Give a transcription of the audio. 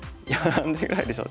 何手ぐらいでしょう。